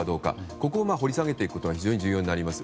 ここを掘り下げていくことが非常に重要になります。